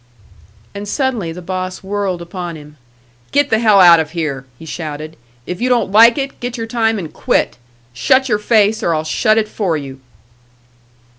And suddenly the boss whirled upon him. "Get the hell out of here!" he shouted. "If you don't like it, get your time and quit. Shut your face, or I'll shut it for you."